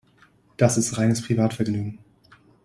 Das ist reines Privatvergnügen.